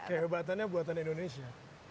kehebatannya buatan indonesia